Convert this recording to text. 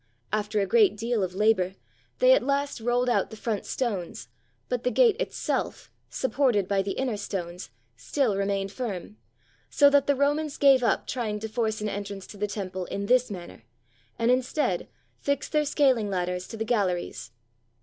After a great deal of labor, they at last rolled out the front stones, but the gate itself, supported by the inner stones, still remained firm, so that the Romans gave up trying to force an en trance to the temple in this manner, and instead fixed their scaling ladders to the galleries.